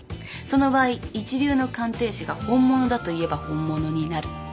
その場合一流の鑑定士が本物だと言えば本物になる。